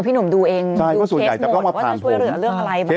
หนุ่มดูเองดูเคสหนึ่งว่าจะช่วยเหลือเรื่องอะไรบ้าง